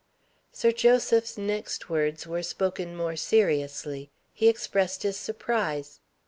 Sir Joseph's next words were spoken more seriously. He expressed his surprise.